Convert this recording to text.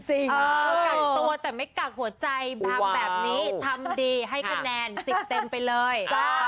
กักตัวแต่ไม่กักหัวใจทำแบบนี้ทำดีให้คะแนน๑๐เต็มไปเลย